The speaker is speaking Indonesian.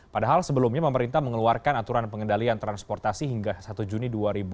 padahal sebelumnya pemerintah mengeluarkan aturan pengendalian transportasi hingga satu juni dua ribu dua puluh